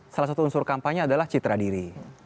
salah satu unsur kampanye adalah citra diri